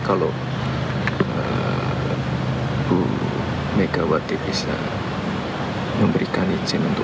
kalau bu megawati bisa berbicara dengan kita